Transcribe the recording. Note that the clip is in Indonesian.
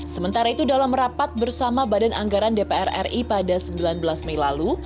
sementara itu dalam rapat bersama badan anggaran dpr ri pada sembilan belas mei lalu